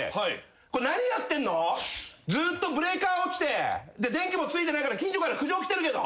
「これ何やってんの？ずっとブレーカー落ちて電気もついてないから近所から苦情来てるけど」